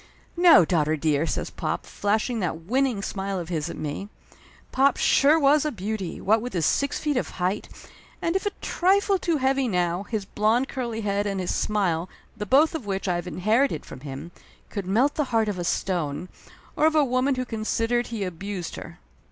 "No, daughter dear!" says pop, flashing that win ning smile of his at me. Pop sure was a beauty, what with his six feet of height, and if a trifle too heavy now, his blond curly head and his smile, the both of which I have inherited from him, could melt the heart of a stone, or of a woman who considered he abused her.